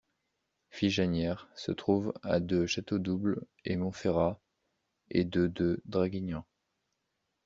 Figanière se trouve à de Châteaudouble et Montferrat et de de Draguignan.